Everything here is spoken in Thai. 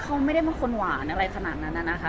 เขาไม่ได้เป็นคนหวานอะไรขนาดนั้นนะคะ